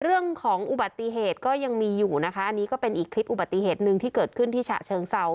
เรื่องของอุบัติเหตุก็ยังมีอยู่นะคะอันนี้ก็เป็นอีกคลิปอุบัติเหตุหนึ่งที่เกิดขึ้นที่ฉะเชิงเศร้า